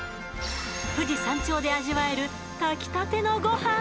富士山頂で味わえる炊きたてのゴハン。